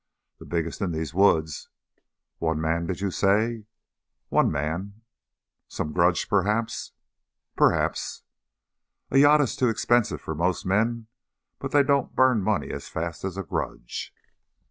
"The biggest in these woods." "One man, did you say?" "One man." "Some grudge, perhaps?" "Perhaps." "A yacht is too expensive for most men, but they don't burn money as fast as a grudge."